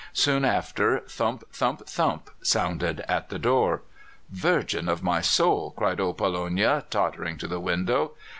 Soon after thump! thump! thump! sounded at the door. "Virgin of my soul!" cried old Pollonia, tottering to the window.